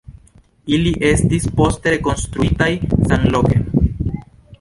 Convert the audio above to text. Ili estis poste rekonstruitaj samloke.